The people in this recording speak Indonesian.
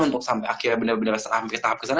untuk sampai akhirnya bener bener sampai tahap kesana